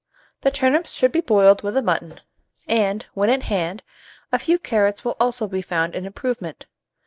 The turnips should be boiled with the mutton; and, when at hand, a few carrots will also be found an improvement.